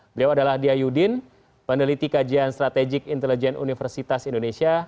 beliau adalah diyudin pendeliti kajian strategik intelijen universitas indonesia